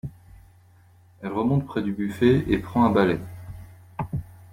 Elle remonte près du buffet et prend un balai.